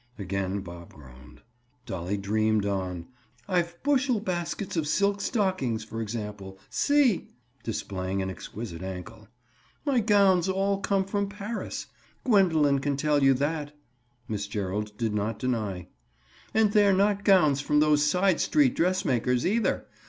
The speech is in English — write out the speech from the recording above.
Again Bob groaned. Dolly dreamed on: "I've bushel baskets of silk stockings, for example. See!" Displaying an exquisite ankle. "My gowns all come from Paris. Gwendoline can tell you that." Miss Gerald did not deny. "And they're not gowns from those side street dressmakers, either.